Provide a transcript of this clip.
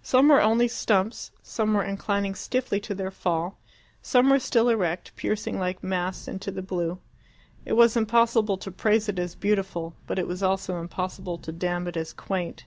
Some were only stumps, some were inclining stiffly to their fall, some were still erect, piercing like masts into the blue. It was impossible to praise it as beautiful, but it was also impossible to damn it as quaint.